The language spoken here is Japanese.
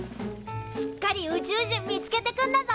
しっかり宇宙人見つけてくんだぞ！